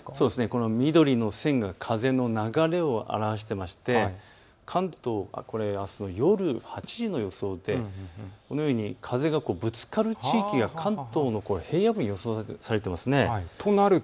この緑の線が風の流れを表していまして関東はあす夜８時の予想でこのように風がぶつかる地域が関東の平野部に予想されています。